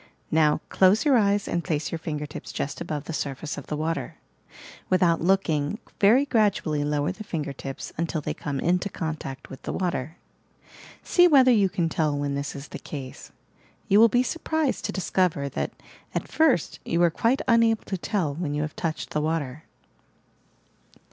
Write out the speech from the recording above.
Now, close your eyes and place your finger tips just above the surface of the water. "Without looking, very gradually lower the finger tips until they come into contact with the water. See whether you can tell when this is the case. You will be surprised to discover that, at first, you are quite unable to tell when you have touched the water